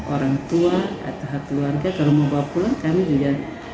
orang tua atau keluarga kalau mau bawa pulang kami juga